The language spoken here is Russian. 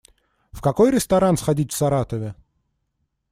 В какой ресторан сходить в Саратове?